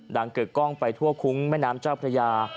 เกิดกล้องไปทั่วคุ้งแม่น้ำเจ้าพระยา